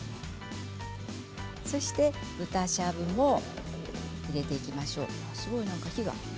そして豚しゃぶも入れていきましょう。